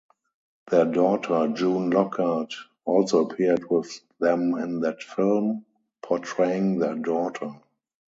Their daughter, June Lockhart also appeared with them in that film, portraying their daughter.